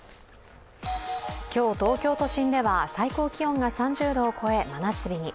今日、東京都心では最高気温が３０度を超え真夏日に。